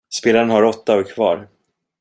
Spelaren har åtta och är kvar.